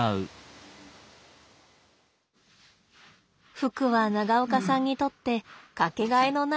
ふくは長岡さんにとって掛けがえのない癒やし。